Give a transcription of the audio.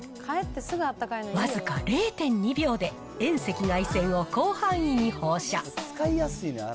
僅か０．２秒で、遠赤外線を広範囲に放射。